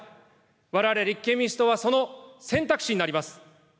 われわれ立憲民主党はその選択肢になります。